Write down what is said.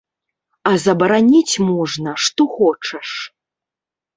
А забараніць можна што хочаш.